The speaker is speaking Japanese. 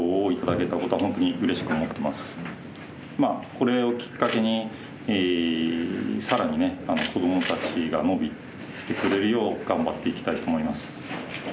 これをきっかけに更にね子どもたちが伸びてくれるよう頑張っていきたいと思います。